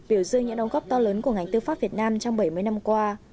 biểu dư những ông góp to lớn của ngành tư pháp việt nam trong bảy mươi năm qua